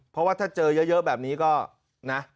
เพราะว่าถ้าเจอเยอะแบบนี้ก็นะ